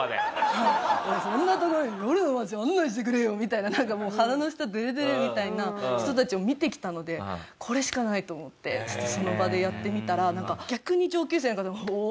「おいそんな所より夜の街案内してくれよ」みたいななんかもう鼻の下デレデレみたいな人たちを見てきたのでこれしかないと思ってちょっとその場でやってみたら逆に上級生の方もおお！